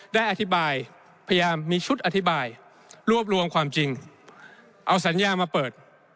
ได้อธิบายพยายามมีชุดอธิบายรวบรวมความจริงเอาสัญญามาเปิด